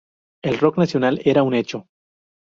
El rock nacional era un hecho.